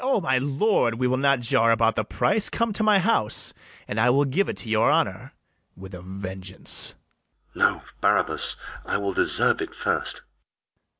O my lord, We will not jar about the price: come to my house, And I will give't your honour with a vengeance. [Aside.] LODOWICK. No, Barabas, I will deserve it first.